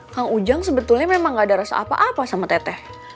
kang ujang sebetulnya memang gak ada rasa apa apa sama teteh